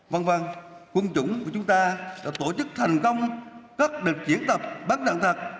vâng vâng quân chủng của chúng ta đã tổ chức thành công các đợt chiến tập bắn nạn thật